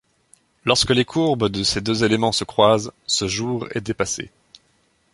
Lorsque les courbes de ces deux éléments se croisent, ce jour est dépassé.